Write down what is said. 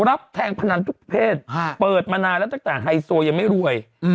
รับแทงพนันทุกเพศเปิดมานานแล้วตั้งแต่ไฮโซยังไม่รวย